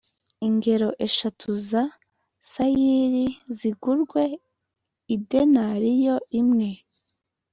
ingero eshatu za sayiri zigurwe idenariyo imwe,